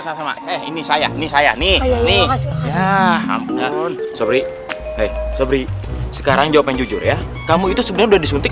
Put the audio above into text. sama ini saya ini saya nih ya ampun sobri sobri sekarang jawab jujur ya kamu itu sebenarnya disuntik